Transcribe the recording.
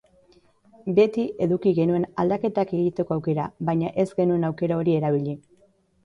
Beti eduki genuen aldaketak egiteko aukera baina ez genuen aukera hori erabili.